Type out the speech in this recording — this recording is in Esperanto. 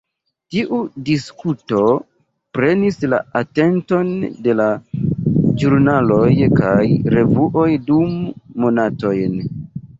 Tiu diskuto prenis la atenton de la ĵurnaloj kaj revuoj dum monatojn.